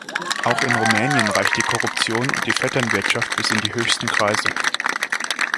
Auch in Rumänien reicht die Korruption und die Vetternwirtschaft bis in die höchsten Kreise.